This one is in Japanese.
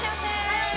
はい！